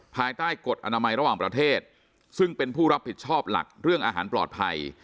ภายใต้กฎอนามัยระหว่างประเทศซึ่งเป็นผู้รับผิดชอบหลักเรื่องอาหารปลอดภัย